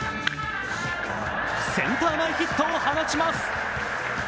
センター前ヒットを放ちます。